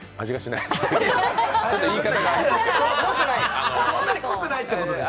そんなに濃くないということです。